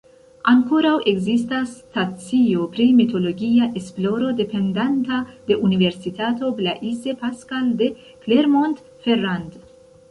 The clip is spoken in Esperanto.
Ankoraŭ ekzistas stacio pri meteologia esploro dependanta de universitato Blaise Pascal de Clermont-Ferrand.